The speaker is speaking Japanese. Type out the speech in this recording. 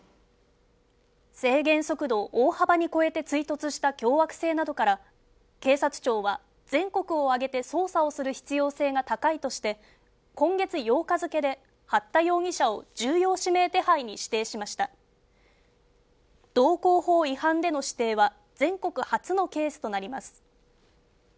制限速度を大幅に超えて追突した凶悪性などから警察庁は全国を挙げて捜査をする必要性が高いとして今月８日付で八田容疑者を重要指名手配に指定しました道交法違反での指定は全国初のケースとなります